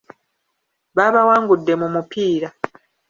Baabawangudde mu mupiira.